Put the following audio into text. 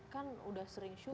kan udah sering syuting